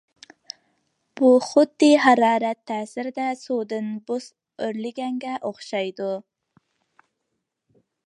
بۇ خۇددى ھارارەت تەسىرىدە سۇدىن بۇس ئۆرلىگەنگە ئوخشايدۇ.